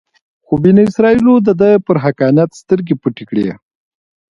خو بني اسرایلو دده پر حقانیت سترګې پټې کړې.